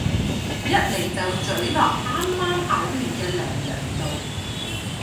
一嚟就咀落啱啱嘔完嘅娘娘度